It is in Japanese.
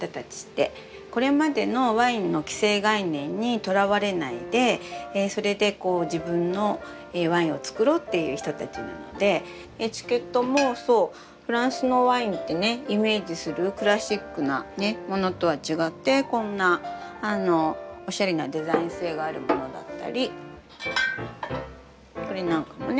これまでのワインの既成概念にとらわれないでそれでこう自分のワインをつくろうっていう人たちなのでエチケットもそうフランスのワインってねイメージするクラシックなねものとは違ってこんなおしゃれなデザイン性があるものだったりこれなんかもね